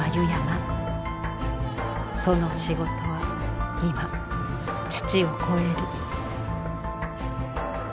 その仕事は今父を超える。